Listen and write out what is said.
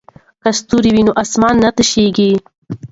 که ستوري وي نو اسمان نه تشیږي.